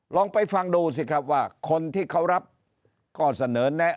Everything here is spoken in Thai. ลองไปฟังดูสิครับว่าคนที่เขารับข้อเสนอแนะ